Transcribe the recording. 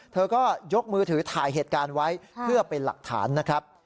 เธอก็ยกมือถือถ่ายเหตุการณ์ไว้เพื่อเป็นหลักฐานนะครับ